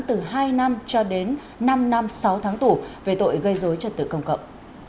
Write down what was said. từ hai năm cho đến năm năm sáu tháng tù về tội gây dối trật tự công cộng